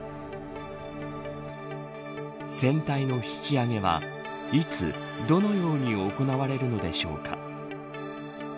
船体の引き揚げはいつ、どのように行われるのでしょうか。